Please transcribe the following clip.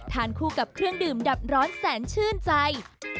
ทานคู่กับเครื่องดื่มดับร้อนแสนชื่นใจ